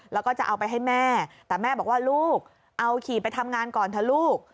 แล้วก็จะเอาไปให้แม่แต่แม่บอกว่าลูกเอาขี่ไปทำงานก่อนเถอะลูก